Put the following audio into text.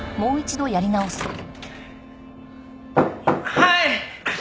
はい。